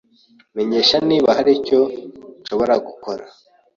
Menyesha niba hari icyo nshobora gukora.